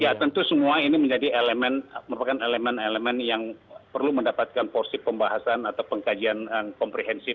ya tentu semua ini menjadi elemen merupakan elemen elemen yang perlu mendapatkan porsi pembahasan atau pengkajian komprehensif